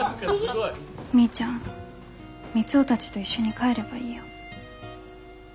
みーちゃん三生たちと一緒に帰ればいいよ。